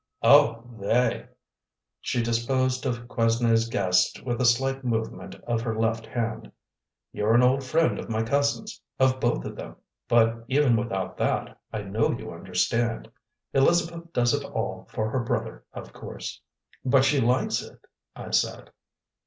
"Oh, they!" She disposed of Quesnay's guests with a slight movement of her left hand. "You're an old friend of my cousins of both of them; but even without that, I know you understand. Elizabeth does it all for her brother, of course." "But she likes it," I said.